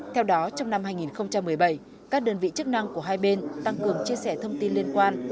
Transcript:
theo đó trong năm hai nghìn một mươi bảy các đơn vị chức năng của hai bên tăng cường chia sẻ thông tin liên quan